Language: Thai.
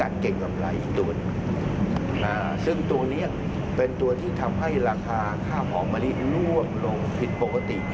ดันเก่งทำอะไรตัวนี้เป็นตัวที่ทำให้ราคาค่าผอมริล่วงลงผิดปกติ